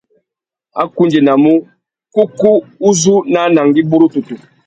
A kundzénamú : kúkú u zú nà anangüî burútutu.